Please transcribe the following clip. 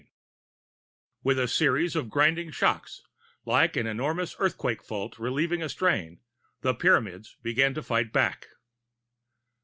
XIV With a series of grinding shocks, like an enormous earthquake fault relieving a strain, the Pyramids began to fight back.